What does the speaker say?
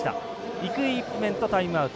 イクイップメントタイムアウト。